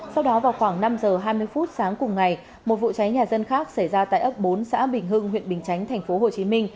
sau đó vào khoảng năm giờ hai mươi phút sáng cùng ngày một vụ cháy nhà dân khác xảy ra tại ấp bốn xã bình hưng huyện bình chánh tp hcm